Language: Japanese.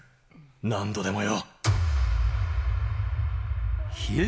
何度でもよ。